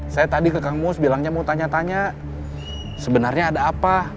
saya tadi ke kang mus bilangnya mau tanya tanya sebenarnya ada apa